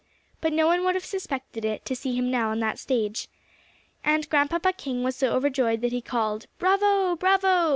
But no one would have suspected it to see him now on that stage. And Grandpapa King was so overjoyed that he called "Bravo bravo!"